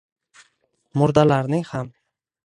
Murdalarning ham.